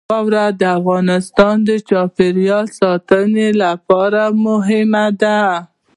واوره د افغانستان د چاپیریال ساتنې لپاره مهم دي.